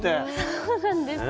そうなんです。